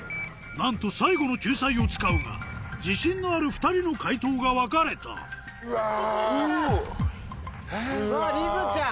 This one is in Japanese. なんと最後の救済を使うが自信のある２人の解答が分かれたさぁりづちゃん！